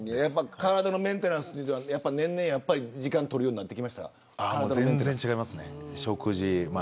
体のメンテナンスは年々時間を取るようになってきましたか。